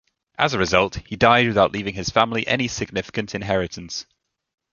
As a result, he died without leaving his family any significant inheritance.